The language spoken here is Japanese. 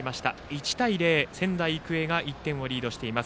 １対０、仙台育英が１点をリードしています。